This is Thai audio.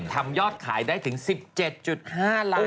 ทำยอดขายได้ถึง๑๗๕ล้าน